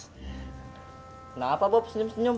kenapa bapak senyum senyum